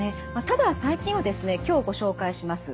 ただ最近はですね今日ご紹介します